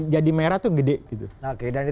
jadi merah tuh gede gitu